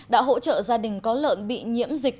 đã hỗ trợ gia đình có lợn bị nhiễm dịch